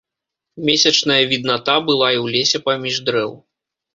Месячная відната была і ў лесе паміж дрэў.